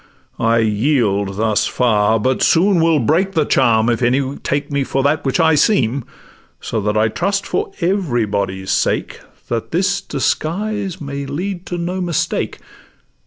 I yield thus far; but soon will break the charm If any take me for that which I seem: So that I trust for everybody's sake, That this disguise may lead to no mistake.